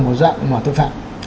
đó cũng là một dạng tội phạm